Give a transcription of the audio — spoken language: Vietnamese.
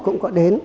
cũng có đến